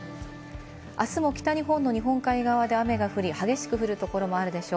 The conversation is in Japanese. あすも北日本の日本海側で雨が降り激しく降るところもあるでしょ